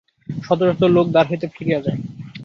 শত শত লোক দ্বার হইতে ফিরিয়া যায়।